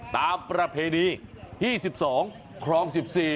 ประเพณีที่๑๒ครอง๑๔